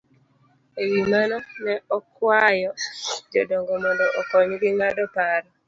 E wi mano, ne okwayo jodongo mondo okonygi ng'ado paro